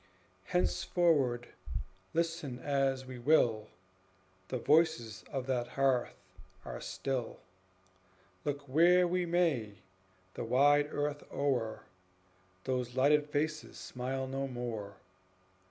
Henceforward, listen as we will, The voices of that hearth are still; Look where we may, the wide earth o'er Those lighted faces smile no more.